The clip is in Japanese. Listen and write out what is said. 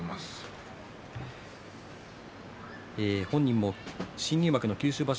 本人も新入幕の九州場所